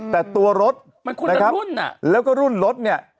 แต่ตัวรถนะครับแล้วก็รุ่นรถเนี่ย